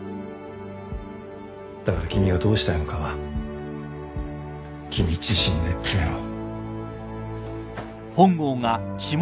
だから君がどうしたいのかは君自身で決めろ。